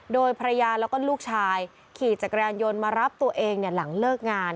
โดยภรรยาแล้วก็ลูกชายขี่จักรยานยนต์มารับตัวเองหลังเลิกงาน